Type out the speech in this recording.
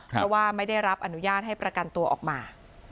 เพราะว่าไม่ได้รับอนุญาตให้ประกันตัวออกมา